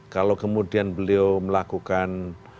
kalau kemudian beliau melakukan